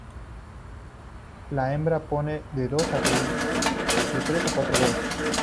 La hembra pone de tres a cuatro huevos.